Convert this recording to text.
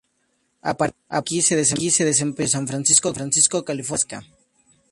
A partir de aquí, se desempeñó entre San Francisco, California y Alaska.